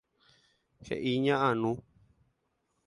He'i ña Anu.